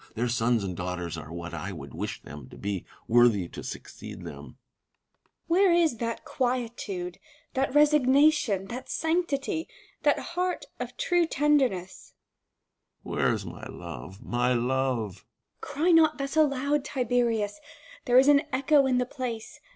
Their sons and daughters are what I would wish them to be : worthy to succeed them. Vipsania. Where is that quietude, that resignation, that sanctity, that heart of true tenderness 'i Tiberius. Where is my love? — my love? Vipsania. Cry not thus aloud, Tiberius ! there is an echo in the place.